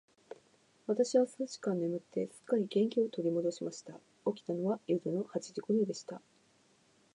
私は数時間眠って、すっかり元気を取り戻しました。起きたのは夜の八時頃でした。